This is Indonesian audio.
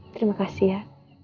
terima kasih ya